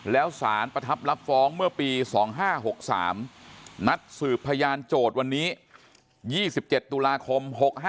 แล้วสารประทับรับฟ้องเมื่อปี๒๕๖๓นัดสืบพยานโจทย์วันนี้๒๗ตุลาคม๖๕